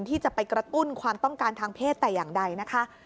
ที่จะไปกระตุ้นความต้องการทางเพศแต่อย่างใดนะคะ